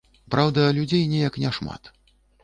Праўда, людзей неяк няшмат.